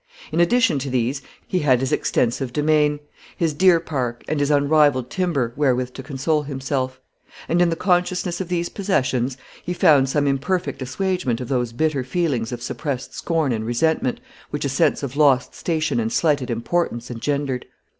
In addition to these, he had his extensive demesne, his deer park, and his unrivalled timber, wherewith to console himself; and, in the consciousness of these possessions, he found some imperfect assuagement of those bitter feelings of suppressed scorn and resentment, which a sense of lost station and slighted importance engendered.